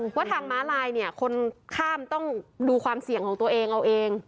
ว่าทางม้าลายเนี่ยคนข้ามต้องดูความเสี่ยงของตัวเองเอาเอง